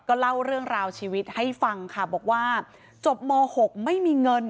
เล่าเรื่องราวชีวิตให้ฟังค่ะบอกว่าจบม๖ไม่มีเงิน